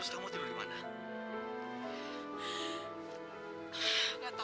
aku hamil mbak